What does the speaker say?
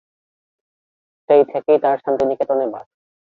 সেই থেকেই তার শান্তিনিকেতনে বাস।